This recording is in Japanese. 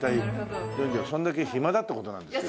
それだけ暇だって事なんですよ。